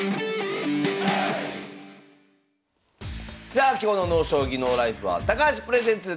さあ今日の「ＮＯ将棋ＮＯＬＩＦＥ」は「高橋プレゼンツ